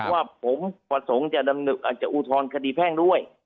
ว่าผมประสงค์จะอุทธรณคดีแพ่งด้วย